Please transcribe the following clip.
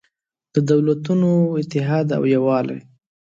د دولتونو اتحاد او یووالی